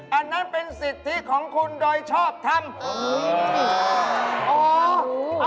อันนั้นเป็นสิทธิของคุณโดยชอบทำ